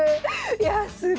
いやすごい。